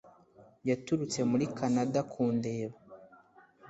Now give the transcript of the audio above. yaturutse muri kanada kundeba